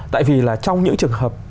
tại vì là trong những trường hợp